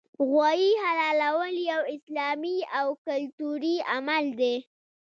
غوايي حلالول یو اسلامي او کلتوري عمل دی